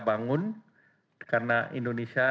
bangun karena indonesia